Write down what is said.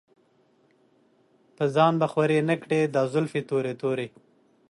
پۀ ځان به خوَرې نۀ کړې دا زلفې تورې تورې